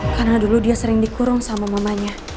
karena dulu dia sering dikurung sama mama